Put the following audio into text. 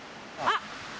あっ！